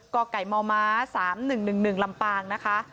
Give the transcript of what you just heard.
กไก่มม๓๑๑๑ลำปางนะคะ